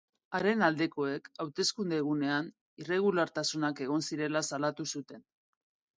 Haren aldekoek hauteskunde egunean irregulartasunak egon zirela salatu zuten.